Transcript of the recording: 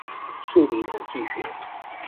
數理統計學